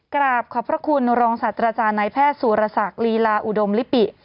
กราบขอบพระคุณรองศาสตราจารย์นายแพทย์สุรศักดิ์ลีลาอุดมลิปิ